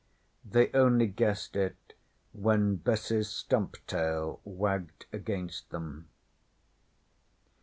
They only guessed it when Bess's stump tail wagged against them.